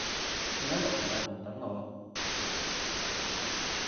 你喺樓下大堂等我